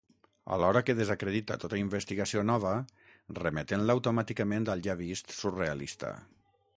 Alhora que desacredita tota investigació nova remetent-la automàticament al ja vist surrealista.